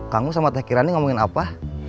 kamu sama tak kirani ngomongin apa